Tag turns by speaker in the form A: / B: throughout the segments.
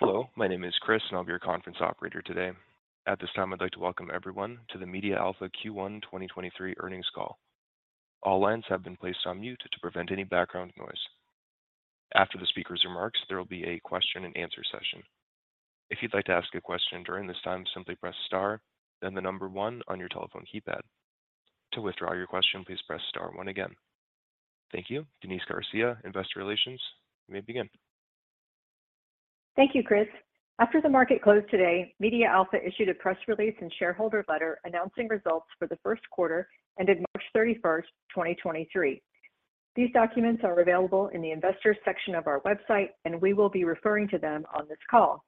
A: Hello, my name is Chris and I'll be your conference operator today. At this time, I'd like to welcome everyone to the MediaAlpha Q1 2023 earnings call. All lines have been placed on mute to prevent any background noise. After the speaker's remarks, there will be a question and answer session. If you'd like to ask a question during this time, simply press star, then the number one on your telephone keypad. To withdraw your question, please press star one again. Thank you. Denise Garcia, Investor Relations, you may begin.
B: Thank you, Chris. After the market closed today, MediaAlpha issued a press release and shareholder letter announcing results for the Q1 ended March 31, 2023. These documents are available in the investors section of our website, and we will be referring to them on this call.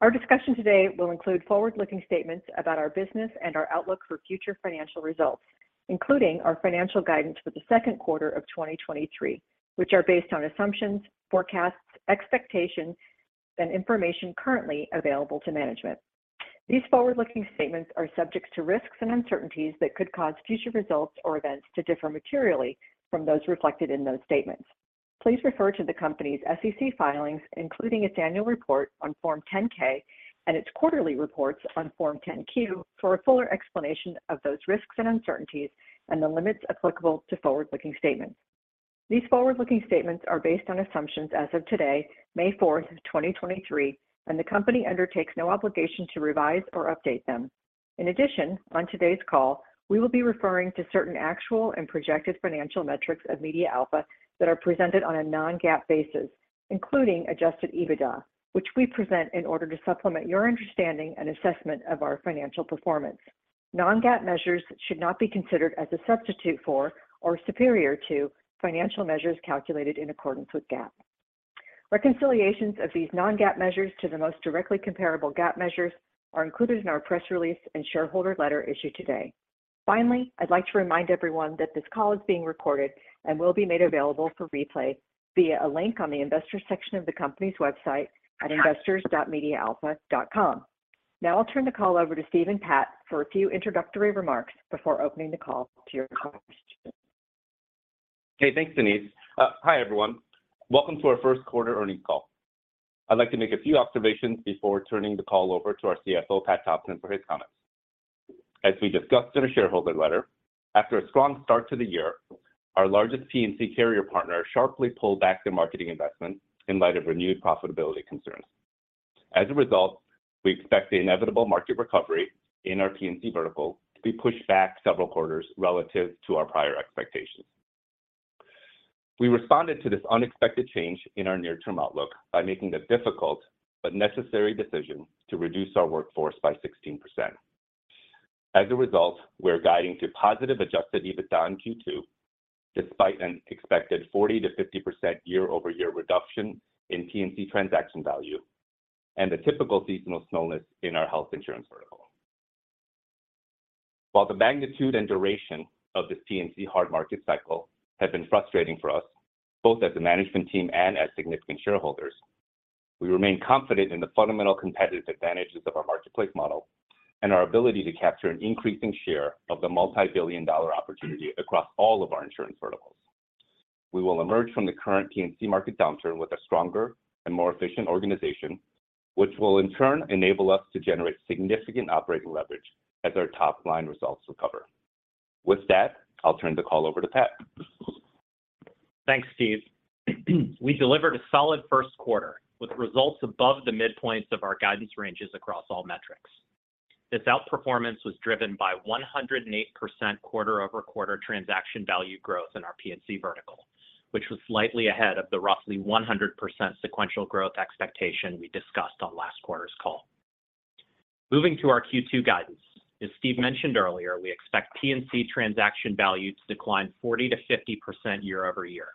B: Our discussion today will include forward-looking statements about our business and our outlook for future financial results, including our financial guidance for the Q2 of 2023, which are based on assumptions, forecasts, expectations, and information currently available to management. These forward-looking statements are subject to risks and uncertainties that could cause future results or events to differ materially from those reflected in those statements. Please refer to the company's SEC filings, including its annual report on Form 10-K and its quarterly reports on Form 10-Q for a fuller explanation of those risks and uncertainties and the limits applicable to forward-looking statements. These forward-looking statements are based on assumptions as of today, May 4, 2023, and the company undertakes no obligation to revise or update them. In addition, on today's call, we will be referring to certain actual and projected financial metrics of MediaAlpha that are presented on a non-GAAP basis, including Adjusted EBITDA, which we present in order to supplement your understanding and assessment of our financial performance. Non-GAAP measures should not be considered as a substitute for or superior to financial measures calculated in accordance with GAAP. Reconciliations of these non-GAAP measures to the most directly comparable GAAP measures are included in our press release and shareholder letter issued today. Finally, I'd like to remind everyone that this call is being recorded and will be made available for replay via a link on the investor section of the company's website at investors.mediaalpha.com. Now I'll turn the call over to Steve and Patrick for a few introductory remarks before opening the call to your questions.
C: Okay, thanks, Denise. Hi, everyone. Welcome to our Q1 earnings call. I'd like to make a few observations before turning the call over to our CFO, Patrick Thompson, for his comments. As we discussed in our shareholder letter, after a strong start to the year, our largest P&C carrier partner sharply pulled back their marketing investment in light of renewed profitability concerns. As a result, we expect the inevitable market recovery in our P&C vertical to be pushed back several quarters relative to our prior expectations. We responded to this unexpected change in our near-term outlook by making the difficult but necessary decision to reduce our workforce by 16%. As a result, we're guiding to positive Adjusted EBITDA in Q2, despite an expected 40%-50% year-over-year reduction in P&C transaction value and the typical seasonal slowness in our health insurance vertical. While the magnitude and duration of this P&C hard market cycle have been frustrating for us, both as a management team and as significant shareholders, we remain confident in the fundamental competitive advantages of our marketplace model and our ability to capture an increasing share of the multi-billion dollar opportunity across all of our insurance verticals. We will emerge from the current P&C market downturn with a stronger and more efficient organization, which will in turn enable us to generate significant operating leverage as our top-line results recover. With that, I'll turn the call over to Patrick.
D: Thanks, Steve. We delivered a solid Q1 with results above the midpoints of our guidance ranges across all metrics. This outperformance was driven by 108% quarter-over-quarter transaction value growth in our P&C vertical, which was slightly ahead of the roughly 100% sequential growth expectation we discussed on last quarter's call. Moving to our Q2 guidance. As Steve mentioned earlier, we expect P&C transaction value to decline 40%-50% year-over-year.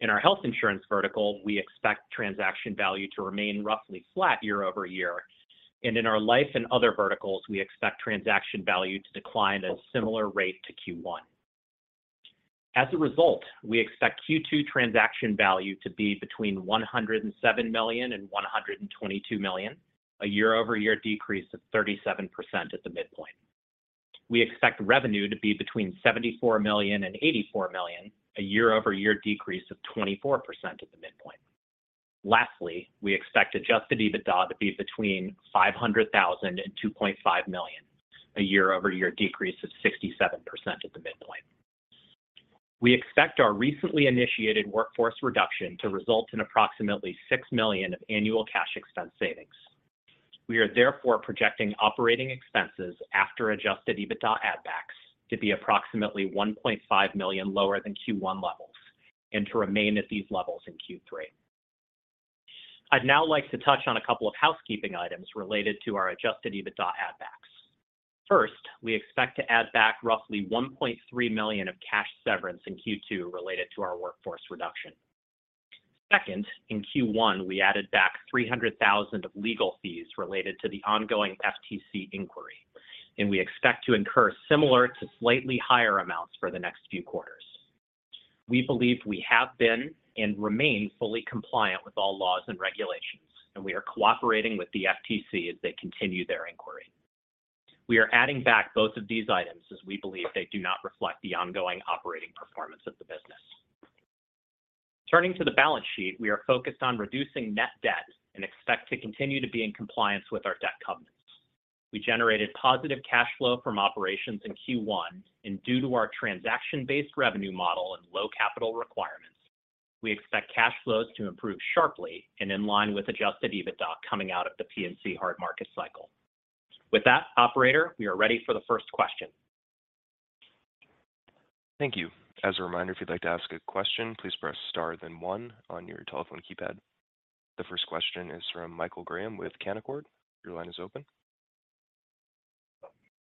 D: In our health insurance vertical, we expect transaction value to remain roughly flat year-over-year. In our life and other verticals, we expect transaction value to decline at a similar rate to Q1. As a result, we expect Q2 transaction value to be between $107 million and $122 million, a year-over-year decrease of 37% at the midpoint. We expect revenue to be between $74 million and $84 million, a year-over-year decrease of 24% at the midpoint. Lastly, we expect Adjusted EBITDA to be between $500,000 and $2.5 million, a year-over-year decrease of 67% at the midpoint. We expect our recently initiated workforce reduction to result in approximately $6 million of annual cash expense savings. We are therefore projecting operating expenses after Adjusted EBITDA add backs to be approximately $1.5 million lower than Q1 levels, and to remain at these levels in Q3. I'd now like to touch on a couple of housekeeping items related to our Adjusted EBITDA add backs. First, we expect to add back roughly $1.3 million of cash severance in Q2 related to our workforce reduction. Second, in Q1, we added back $300,000 of legal fees related to the ongoing FTC inquiry, and we expect to incur similar to slightly higher amounts for the next few quarters. We believe we have been and remain fully compliant with all laws and regulations, and we are cooperating with the FTC as they continue their inquiry.
C: We are adding back both of these items as we believe they do not reflect the ongoing operating performance of the business. Turning to the balance sheet, we are focused on reducing net debt and expect to continue to be in compliance with our debt covenants. We generated positive cash flow from operations in Q1, and due to our transaction-based revenue model and low capital requirements, we expect cash flows to improve sharply and in line with Adjusted EBITDA coming out of the P&C hard market cycle. With that, operator, we are ready for the first question.
A: Thank you. As a reminder, if you'd like to ask a question, please press star then one on your telephone keypad. The first question is from Michael Graham with Canaccord. Your line is open.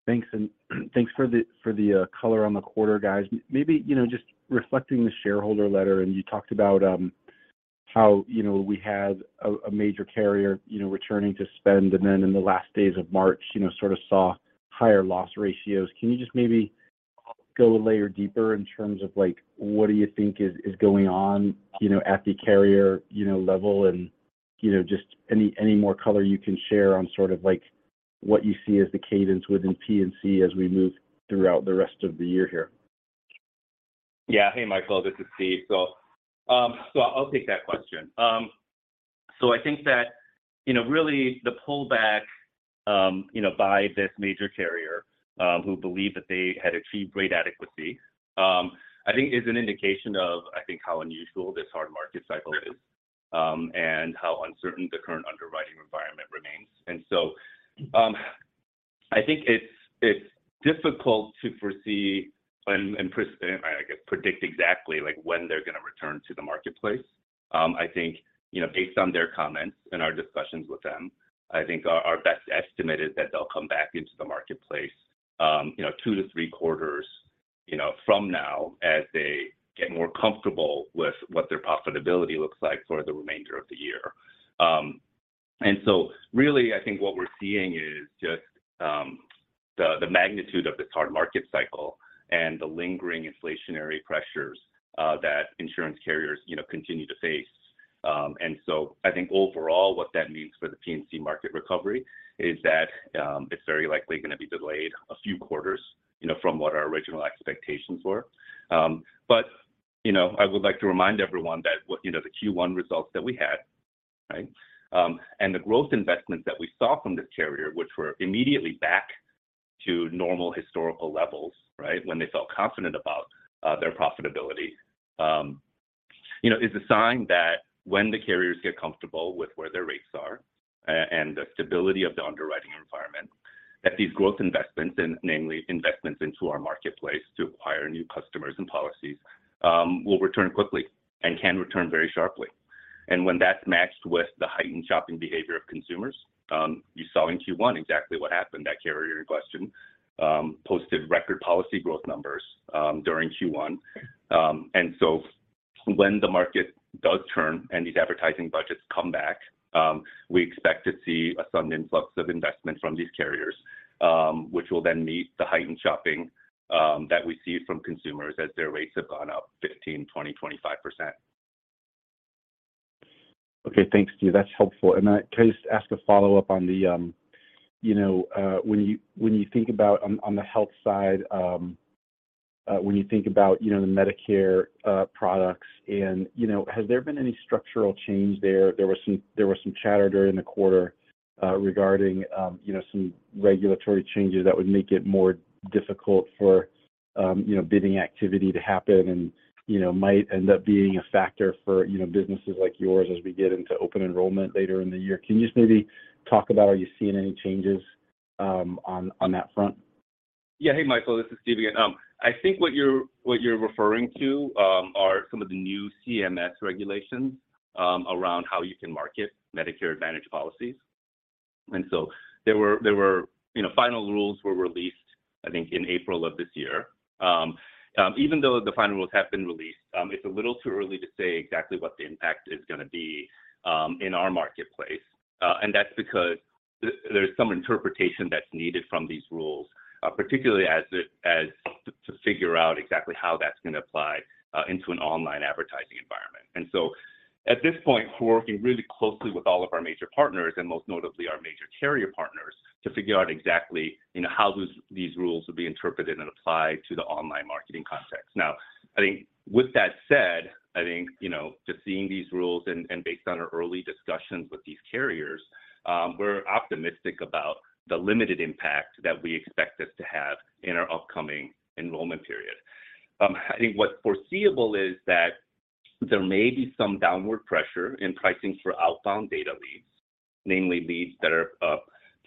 E: Thanks, and thanks for the color on the quarter, guys. maybe just reflecting the shareholder letter, and you talked about, how we had a major carrier returning to spend, and then in the last days of march sort of saw higher loss ratios. Can you just maybe go a layer deeper in terms of, like, what do you think is going on at the carrier level?, just any more color you can share on sort of like what you see as the cadence within P&C as we move throughout the rest of the year here?
C: Yeah. Hey, Michael. This is Steve. I'll take that question. I think that really the pullback by this major carrier, who believed that they had achieved rate adequacy, I think is an indication of, I think, how unusual this hard market cycle is, and how uncertain the current underwriting environment remains. I think it's difficult to foresee and, I guess, predict exactly like when they're gonna return to the marketplace. I think based on their comments and our discussions with them, I think our best estimate is that they'll come back into the marketplace Q2 to Q3from now as they get more comfortable with what their profitability looks like for the remainder of the year. Really I think what we're seeing is just the magnitude of this hard market cycle and the lingering inflationary pressures that insurance carriers continue to face. I think overall what that means for the P&C market recovery is that it's very likely gonna be delayed a few quarters from what our original expectations were., I would like to remind everyone that what the Q1 results that we had, right, and the growth investments that we saw from this carrier, which were immediately back to normal historical levels, right, when they felt confident about their profitability is a sign that when the carriers get comfortable with where their rates are and the stability of the underwriting environment, that these growth investments and namely investments into our marketplace to acquire new customers and policies, will return quickly and can return very sharply. When that's matched with the heightened shopping behavior of consumers, you saw in Q1 exactly what happened. That carrier in question, posted record policy growth numbers during Q1. When the market does turn and these advertising budgets come back, we expect to see a sudden influx of investment from these carriers, which will then meet the heightened shopping that we see from consumers as their rates have gone up 15%, 20%, 25%.
E: Okay, thanks, Steve. That's helpful. Can I just ask a follow-up on the when you, when you think about on the health side, when you think about the Medicare products and has there been any structural change there? There was some, there was some chatter during the quarter regarding some regulatory changes that would make it more difficult for bidding activity to happen and might end up being a factor for businesses like yours as we get into open enrollment later in the year. Can you just maybe talk about are you seeing any changes on that front?
C: Hey, Michael. This is Steve again. I think what you're referring to are some of the new CMS regulations around how you can market Medicare Advantage policies. There were final rules were released, I think, in April of this year. Even though the final rules have been released, it's a little too early to say exactly what the impact is gonna be in our marketplace. That's because there's some interpretation that's needed from these rules, particularly as to figure out exactly how that's gonna apply into an online advertising environment. At this point, we're working really closely with all of our major partners and most notably our major carrier partners to figure out exactly how these rules will be interpreted and applied to the online marketing context. I think with that said, I think just seeing these rules and based on our early discussions with these carriers, we're optimistic about the limited impact that we expect this to have in our upcoming enrollment period. I think what's foreseeable is that there may be some downward pressure in pricing for outbound data leads, namely leads that are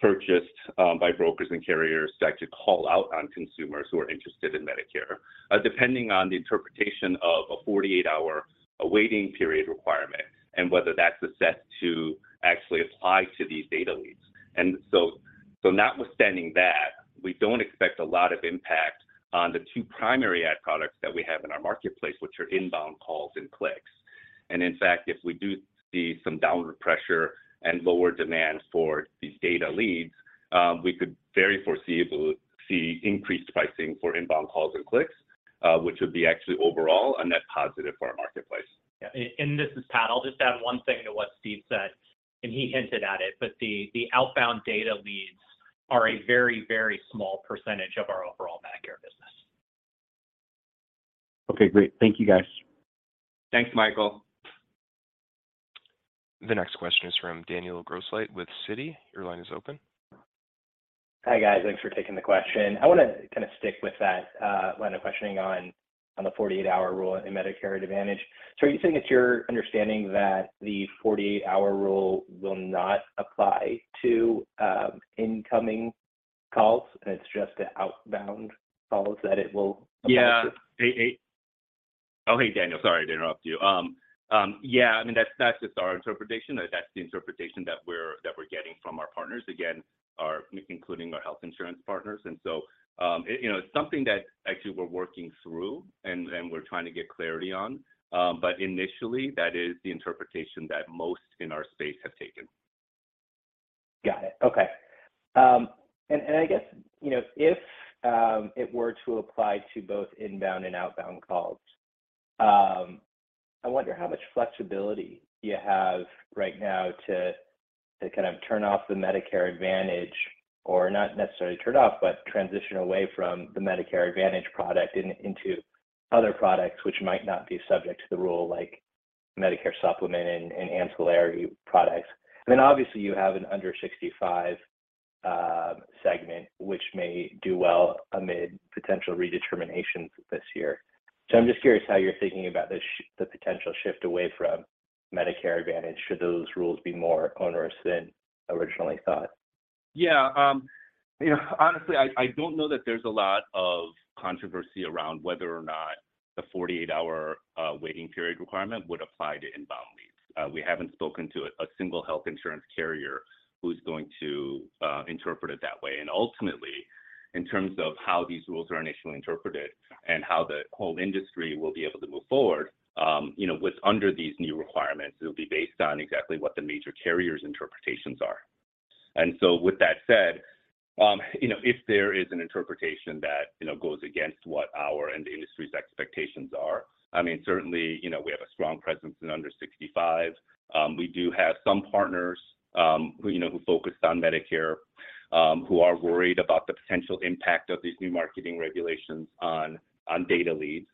C: purchased by brokers and carriers that actually call out on consumers who are interested in Medicare, depending on the interpretation of a 48-hour waiting period requirement and whether that's assessed to actually apply to these data leads. Notwithstanding that, we don't expect a lot of impact on the two primary ad products that we have in our marketplace, which are inbound calls and clicks. In fact, if we do see some downward pressure and lower demand for these data leads, we could very foreseeably see increased pricing for inbound calls and clicks, which would be actually overall a net positive for our marketplace.
D: Yeah. This is Patrick. I'll just add one thing to what Steve said, and he hinted at it, but the outbound data leads are a very, very small % of our overall Medicare business.
F: Okay, great. Thank you, guys.
D: Thanks, Michael.
A: The next question is from Daniel Grosslight with Citi. Your line is open.
G: Hi, guys. Thanks for taking the question. I wanna kind of stick with that line of questioning on the 48-hour rule in Medicare Advantage. Are you saying it's your understanding that the 48-hour rule will not apply to incoming calls, and it's just the outbound calls that it will apply to?
C: Yeah. Oh, hey, Daniel. Sorry to interrupt you. I mean, that's just our interpretation. That's the interpretation that we're getting from our partners, again, our... including our health insurance partners. So, it it's something that actually we're working through and we're trying to get clarity on. Initially, that is the interpretation that most in our space have taken.
G: Got it. Okay. and I guess if it were to apply to both inbound and outbound calls, I wonder how much flexibility you have right now to kind of turn off the Medicare Advantage, or not necessarily turn off, but transition away from the Medicare Advantage product into other products which might not be subject to the rule, like Medicare Supplement and ancillary products. Then obviously you have an under 65 segment, which may do well amid potential redeterminations this year. I'm just curious how you're thinking about the potential shift away from Medicare Advantage should those rules be more onerous than originally thought.
C: Yeah., honestly, I don't know that there's a lot of controversy around whether or not the 48-hour waiting period requirement would apply to inbound leads. We haven't spoken to a single health insurance carrier who's going to interpret it that way. Ultimately, in terms of how these rules are initially interpreted and how the whole industry will be able to move forward with under these new requirements, it'll be based on exactly what the major carriers' interpretations are. With that said if there is an interpretation that goes against what our and the industry's expectations are, I mean, certainly we have a strong presence in under 65. We do have some partners, who who focus on Medicare, who are worried about the potential impact of these new marketing regulations on data leads.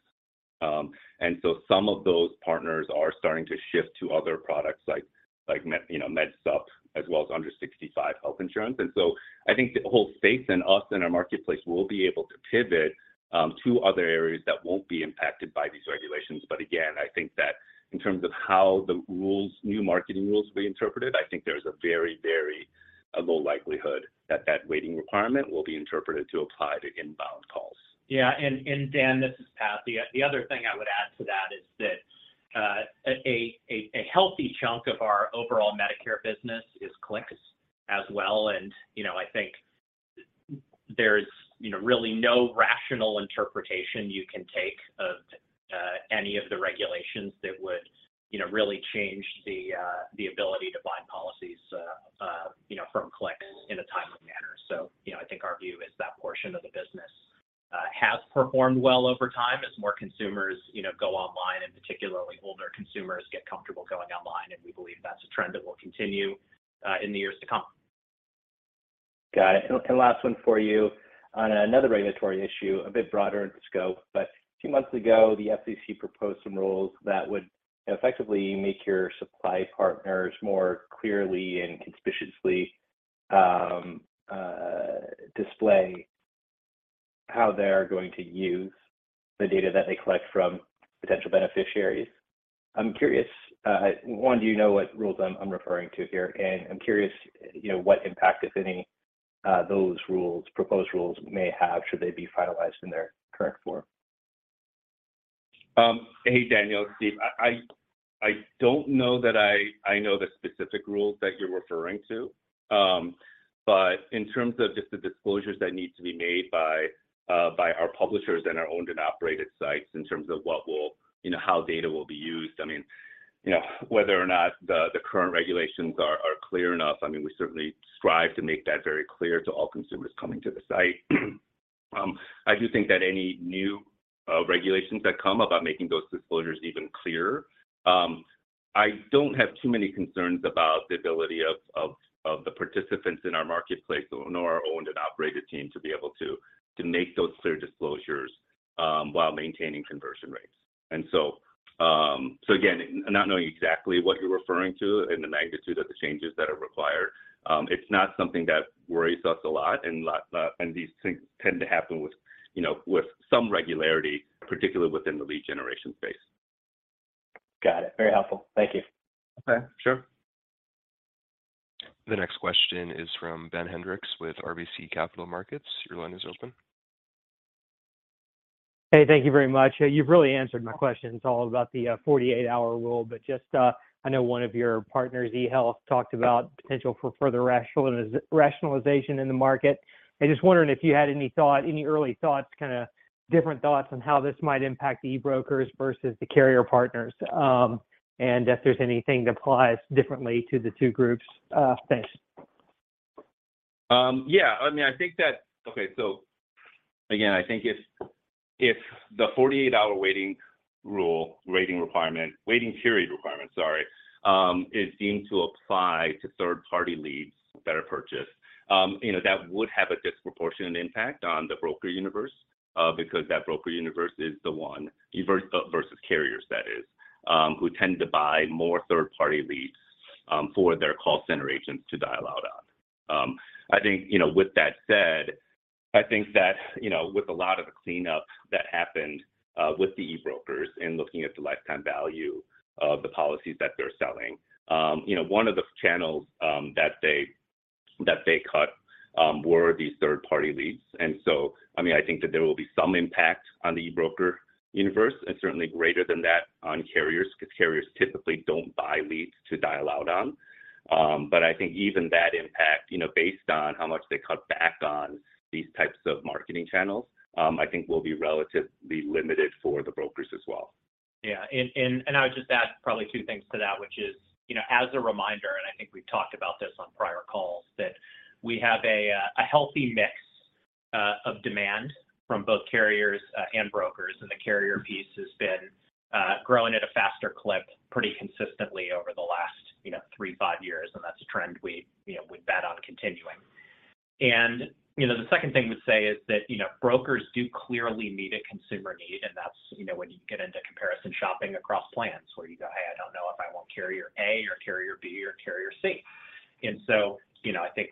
C: Some of those partners are starting to shift to other products like MedSup, as well as under 65 health insurance. I think the whole space and us and our marketplace will be able to pivot to other areas that won't be impacted by these regulations. Again, I think that in terms of how the rules, new marketing rules will be interpreted, I think there's a very, very, a low likelihood that that waiting requirement will be interpreted to apply to inbound calls.
D: Yeah. Daniel, this is Patrick. The other thing I would add to that is that a healthy chunk of our overall Medicare business is clicks as well, and I think there's really no rational interpretation you can take of any of the regulations that would really change the ability to buy policies from clicks in a timely manner., I think our view is that portion of the business has performed well over time as more consumers go online, and particularly older consumers get comfortable going online, and we believe that's a trend that will continue in the years to come.
G: Got it. Last one for you. On another regulatory issue, a bit broader in scope, but a few months ago, the FCC proposed some rules that would effectively make your supply partners more clearly and conspicuously display how they're going to use the data that they collect from potential beneficiaries. I'm curious, one, do what rules I'm referring to here? I'm curious what impact, if any, those rules, proposed rules may have should they be finalized in their current form?
C: Hey, Daniel. Steve. I don't know that I know the specific rules that you're referring to. In terms of just the disclosures that need to be made by our publishers and our owned and operated sites in terms of how data will be used, I mean whether or not the current regulations are clear enough, I mean, we certainly strive to make that very clear to all consumers coming to the site. I do think that any new regulations that come about making those disclosures even clearer, I don't have too many concerns about the ability of the participants in our marketplace or our owned and operated team to be able to make those clear disclosures while maintaining conversion rates. So again, not knowing exactly what you're referring to and the magnitude of the changes that are required, it's not something that worries us a lot and these things tend to happen with with some regularity, particularly within the lead generation space.
G: Got it. Very helpful. Thank you.
C: Okay. Sure.
A: The next question is from Ben Hendrix with RBC Capital Markets. Your line is open.
H: Hey, thank you very much. You've really answered my questions all about the 48-hour rule. I know one of your partners, eHealth, talked about potential for further rationalization in the market. I'm just wondering if you had any thought, any early thoughts, kinda different thoughts on how this might impact e-brokers versus the carrier partners, and if there's anything that applies differently to the two groups. Thanks.
C: Yeah, I mean, I think that. Again, I think if the 48-hour waiting rule, waiting requirement, waiting period requirement, sorry, is deemed to apply to third party leads that are purchased that would have a disproportionate impact on the broker universe, because that broker universe is the one, versus carriers that is, who tend to buy more third party leads, for their call center agents to dial out on. I think with that said, I think that with a lot of the cleanup that happened, with the e-brokers and looking at the lifetime value of the policies that they're selling one of the channels, that they cut, were these third party leads. I mean, I think that there will be some impact on the e-broker universe, and certainly greater than that on carriers, because carriers typically don't buy leads to dial out on. I think even that impact based on how much they cut back on these types of marketing channels, I think will be relatively limited for the brokers as well.
D: Yeah. I would just add probably two things to that, which is as a reminder, and I think we've talked about this on prior calls, that we have a healthy mix of demand from both carriers and brokers. The carrier piece has been growing at a faster clip pretty consistently over the last three, five years, and that's a trend we we bet on continuing. The second thing we'd say is that brokers do clearly meet a consumer need, and that's when you get into comparison shopping across plans where you go, "Hey, I don't know if I want carrier A or carrier B or carrier C.", I think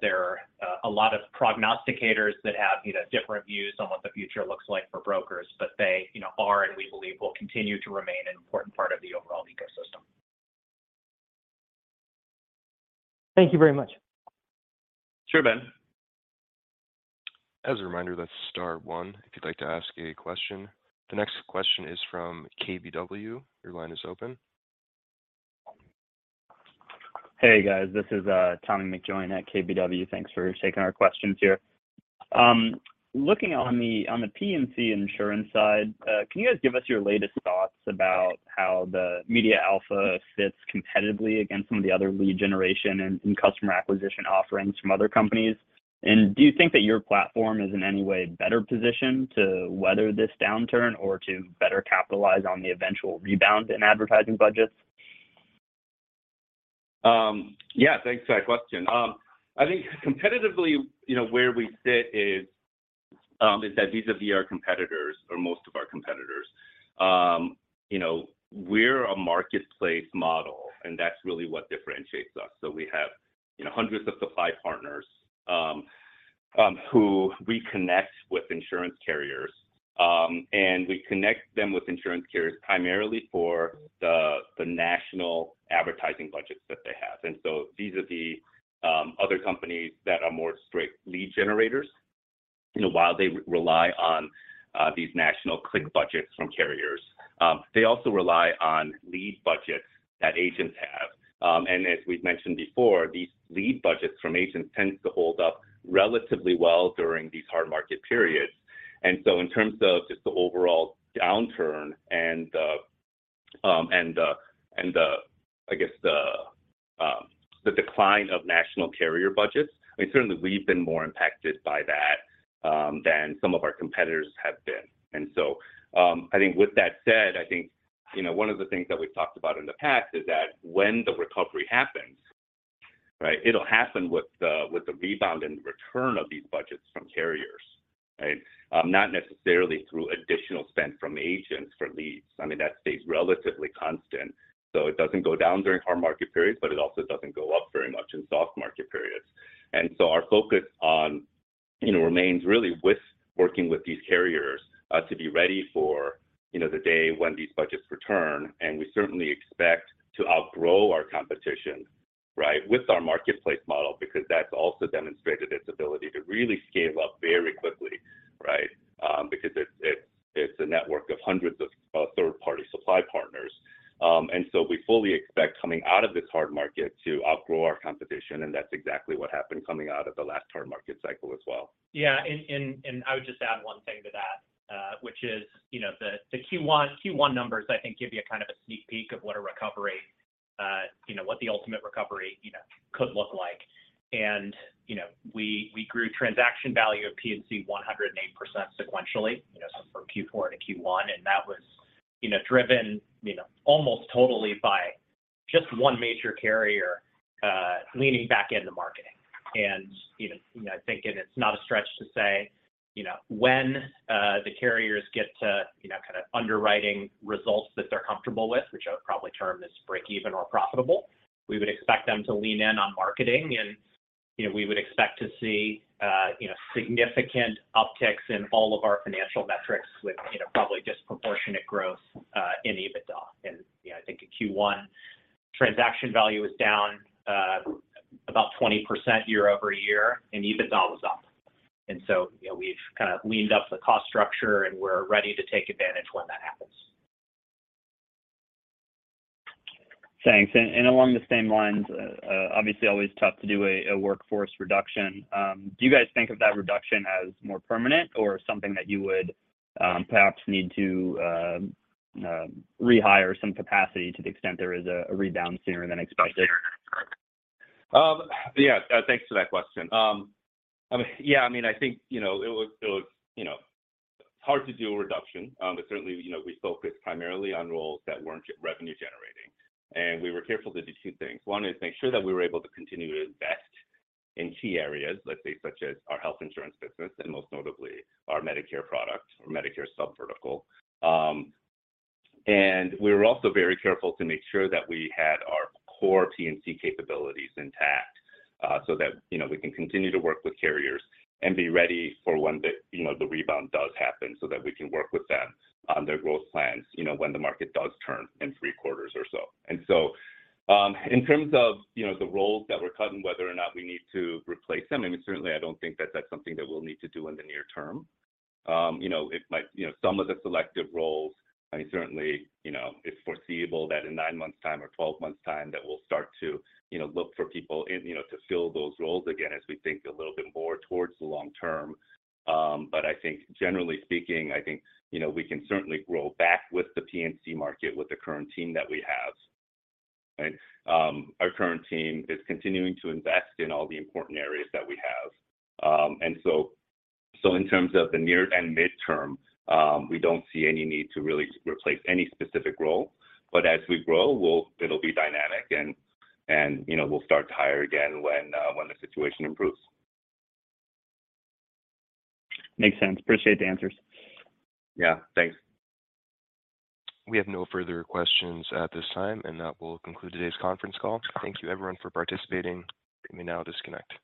D: there are a lot of prognosticators that have different views on what the future looks like for brokers, but they are and we believe will continue to remain an important part of the overall ecosystem. Thank you very much.
C: Sure, Ben.
A: As a reminder, that's star one if you'd like to ask a question. The next question is from KBW. Your line is open.
I: Hey, guys. This is Tommy McJoynt at KBW. Thanks for taking our questions here. Looking on the P&C insurance side, can you guys give us your latest thoughts about how the MediaAlpha fits competitively against some of the other lead generation and customer acquisition offerings from other companies? Do you think that your platform is in any way better positioned to weather this downturn or to better capitalize on the eventual rebound in advertising budgets?
C: Yeah. Thanks for that question. I think competitively where we sit is that these are our competitors or most of our competitors. We're a marketplace model, that's really what differentiates us. We have hundreds of supply partners, who we connect with insurance carriers. We connect them with insurance carriers primarily for the national advertising budgets that they have. These are the other companies that are more straight lead generators., while they rely on these national click budgets from carriers, they also rely on lead budgets that agents have. As we've mentioned before, these lead budgets from agents tends to hold up relatively well during these hard market periods. In terms of just the overall downturn and the, I guess the decline of national carrier budgets, I mean, certainly we've been more impacted by that than some of our competitors have been. I think with that said, I think one of the things that we've talked about in the past is that when the recovery happens, right, it'll happen with the, with the rebound and return of these budgets from carriers, right? Not necessarily through additional spend from agents for leads. I mean, that stays relatively constant, so it doesn't go down during hard market periods, but it also doesn't go up very much in soft market periods. Our focus on remains really with working with these carriers, to be ready for the day when these budgets return. We certainly expect to outgrow our competition, right, with our marketplace model, because that's also demonstrated its ability to really scale up very quickly, right? Because it's a network of hundreds of third party supply partners. We fully expect coming out of this hard market to outgrow our competition, and that's exactly what happened coming out of the last hard market cycle as well.
D: Yeah. I would just add one thing to that, which is the Q1 numbers I think give you a kind of a sneak peek of what a recovery what the ultimate recovery could look like., we grew transaction value of P&C 108% sequentially so from Q4 to Q1, and that was driven almost totally by just one major carrier, leaning back into marketing., I think it's not a stretch to say when the carriers get to kind of underwriting results that they're comfortable with, which I would probably term as break even or profitable, we would expect them to lean in on marketing., we would expect to see significant upticks in all of our financial metrics with probably disproportionate growth in EBITDA., I think a Q1 transaction value is down, about 20% year-over-year, and EBITDA was up. , we've kind of leaned up the cost structure, and we're ready to take advantage when that happens.
I: Thanks. Along the same lines, obviously always tough to do a workforce reduction. Do you guys think of that reduction as more permanent or something that you would, perhaps need to rehire some capacity to the extent there is a rebound sooner than expected?
C: Yeah. Thanks for that question. I mean, yeah, I mean, I think it was hard to do a reduction. certainly we focused primarily on roles that weren't revenue generating, and we were careful to do two things. One is make sure that we were able to continue to invest in key areas, let's say, such as our health insurance business and most notably our Medicare product or Medicare subvertical. We were also very careful to make sure that we had our core P&C capabilities intact, so that we can continue to work with carriers and be ready for when the the rebound does happen so that we can work with them on their growth plans when the market does turn in Q3 or so. In terms of the roles that we're cutting, whether or not we need to replace them, I mean, certainly I don't think that that's something that we'll need to do in the near term., it might some of the selective roles, I mean, certainly it's foreseeable that in 9 months time or 12 months time that we'll start to look for people in to fill those roles again as we think a little bit more towards the long term. I think generally speaking, I think we can certainly grow back with the P&C market with the current team that we have. Right? Our current team is continuing to invest in all the important areas that we have. So in terms of the near and midterm, we don't see any need to really replace any specific role. As we grow, it'll be dynamic and we'll start to hire again when the situation improves.
I: Makes sense. Appreciate the answers.
C: Yeah. Thanks.
A: We have no further questions at this time. That will conclude today's conference call. Thank you everyone for participating. You may now disconnect.